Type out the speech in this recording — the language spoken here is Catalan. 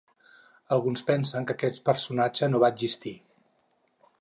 Alguns pensen que aquest personatge no va existir.